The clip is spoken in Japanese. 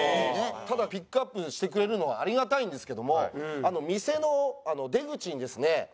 ただピックアップしてくれるのはありがたいんですけども店の出口にですね